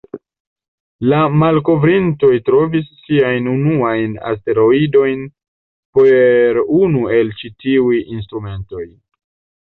La malkovrintoj trovis siajn unuajn asteroidojn per unu el ĉi-tiuj instrumentoj.